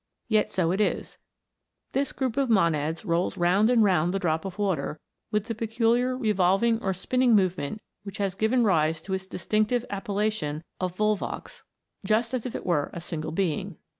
Yet so it is; this group of monads rolls round and round the drop of water, with the peculiar revolving or spinning movement which has given rise to its distinctive appellation of volvox, just as if it were a simple being.